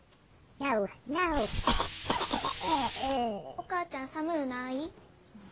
お母ちゃん寒うない？